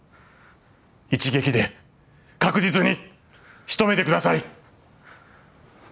一撃で確実に仕留めてください。